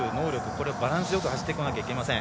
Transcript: これはバランスよく走ってこなきゃいけません。